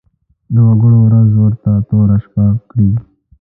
د وګړو ورځ ورته توره شپه کړي.